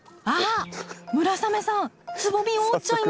村雨さんつぼみを折っちゃいました。